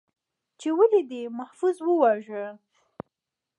، چې ولې دې محفوظ وواژه؟